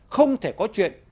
không thể có chuyện